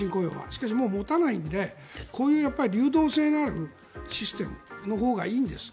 しかし、もう持たないのでこういう流動性のあるシステムのほうがいいんです。